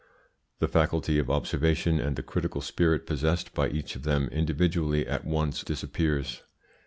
The faculty of observation and the critical spirit possessed by each of them individually at once disappears.